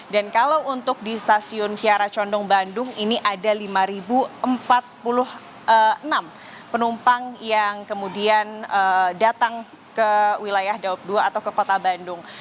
dan kalau untuk di stasiun kiara condong bandung ini ada lima empat puluh enam penumpang yang kemudian datang ke wilayah dauk dua atau ke kota bandung